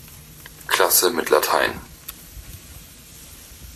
Klasse mit Latein.